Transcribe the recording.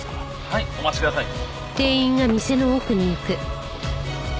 はいお待ちください。